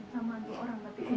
sama dua orang berarti